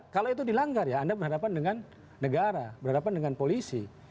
kalau itu dilanggar ya anda berhadapan dengan negara berhadapan dengan polisi